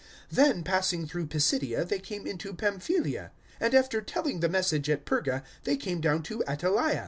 014:024 Then passing through Pisidia they came into Pamphylia; 014:025 and after telling the Message at Perga they came down to Attaleia.